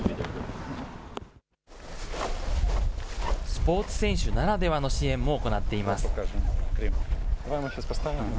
スポーツ選手ならではの支援も行っています。